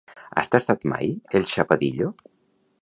Has tastat mai el xapadillo?